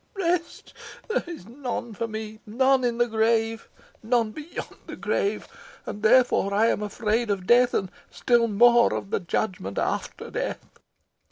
Rest! there is none for me none in the grave none beyond the grave and therefore I am afraid of death, and still more of the judgment after death!